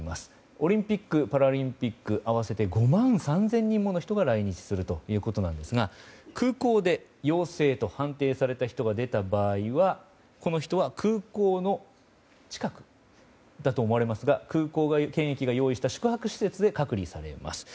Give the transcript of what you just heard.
オリンピック・パラリンピック合わせて５万３０００人もの人が来日するということなんですが空港で陽性と判定された人が出た場合はこの人は空港の近くだと思われますが空港検疫で用意した宿泊施設で隔離されます。